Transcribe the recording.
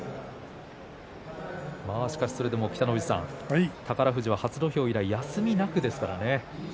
それでも北の富士さん宝富士は初土俵以来休みなくですからね。